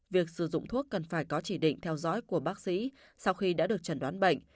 việc sử dụng thuốc cần phải có chỉ định theo dõi của bác sĩ sau khi đã được chẩn đoán bệnh